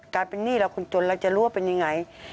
การเป็นหนี้เราคนจนเราจะรั่วเป็นอย่างไร